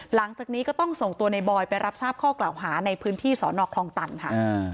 หลังจากนี้ก็ต้องส่งตัวในบอยไปรับทราบข้อกล่าวหาในพื้นที่สอนอคลองตันค่ะ